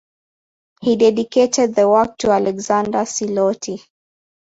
He dedicated the work to Alexander Siloti.